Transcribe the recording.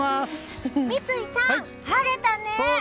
三井さん、晴れたね！